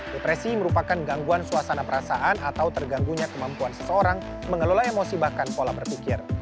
depresi merupakan gangguan suasana perasaan atau terganggunya kemampuan seseorang mengelola emosi bahkan pola berpikir